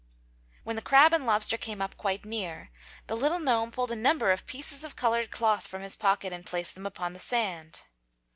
When the crab and the lobster came up quite near the little gnome pulled a number of pieces of colored cloth from his pocket and placed them upon the sand.